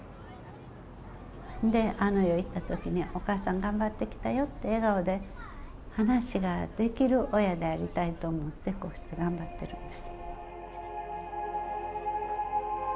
あの世に行った時に「お母さん頑張ってきたよ」って笑顔で話ができる親でありたいと思ってこうして頑張ってるんです。